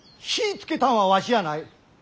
火ぃつけたんはわしやない。